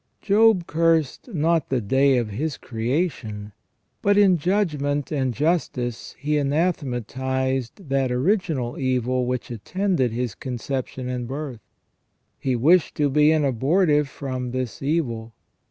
Job cursed not the day of his creation, but in judgment and justice he anathematized that original evil which attended his conception and birth. He wished to be an abortive from this evil.